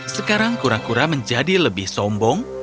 sekarang kura kura menjadi lebih sombong